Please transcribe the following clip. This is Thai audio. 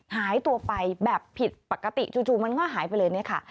หายตัวไปแบบผิดปกติจู่มันก็หายไปเลยเนี่ยค่ะ